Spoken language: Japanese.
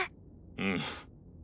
うん。